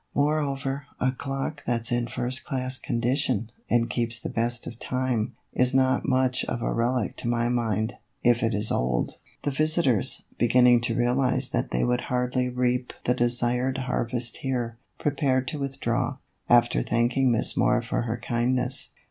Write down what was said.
Moreover, a clock that 's in first class condition, and keeps the best of time, is not much of a relic to my mind, if it is old." The visitors, beginning to realize that they would hardly reap the desired harvest here, pre pared to withdraw, after thanking Miss Moore for her kindness.